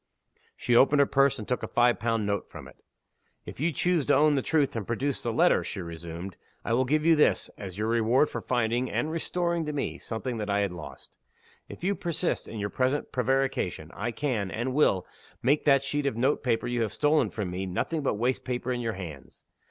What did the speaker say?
She opened her purse, and took a five pound note from it. "If you choose to own the truth, and produce the letter," she resumed, "I will give you this, as your reward for finding, and restoring to me, something that I had lost. If you persist in your present prevarication, I can, and will, make that sheet of note paper you have stolen from me nothing but waste paper in your hands.